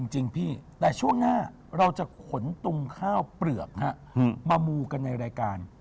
จริงพี่แต่ช่วงหน้าเราจะขนตุงข้าวเปลือกมามูกันในรายการ